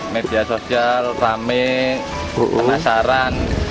media sosial rame penasaran